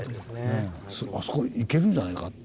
「あそこいけるんじゃないか」と。